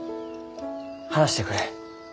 話してくる。